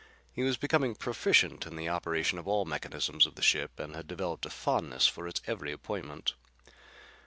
He was becoming proficient in the operation of all mechanisms of the ship and had developed a fondness for its every appointment.